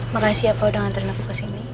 makasih ya pak udah nganterin aku kesini